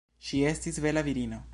Ŝi estis bela virino.